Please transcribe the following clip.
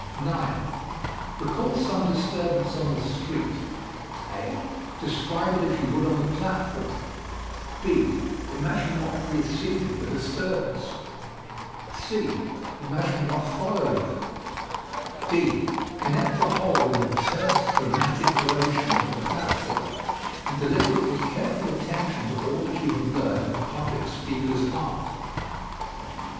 9. Recall some disturbance on the street, (a) Describe it as you would on the platform; (b) imagine what preceded the disturbance; (c) imagine what followed it; (d) connect the whole in a terse, dramatic narration for the platform and deliver it with careful attention to all that you have learned of the public speaker's art.